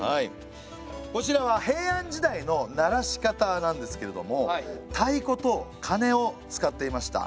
こちらは平安時代の鳴らし方なんですけれども太鼓と鐘を使っていました。